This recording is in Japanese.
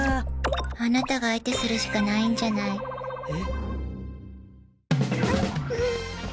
あなたが相手するしかないんじゃない？え。